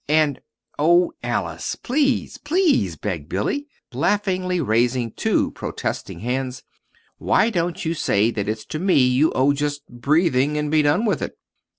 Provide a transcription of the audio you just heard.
And " "Oh, Alice, please, please," begged Billy, laughingly raising two protesting hands. "Why don't you say that it's to me you owe just breathing, and be done with it?"